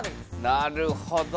なるほど。